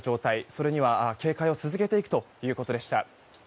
それには警戒を続けていくということでした。